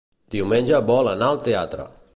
Diumenge vol anar al teatre.